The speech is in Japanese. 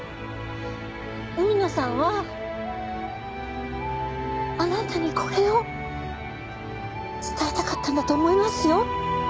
海野さんはあなたにこれを伝えたかったんだと思いますよ。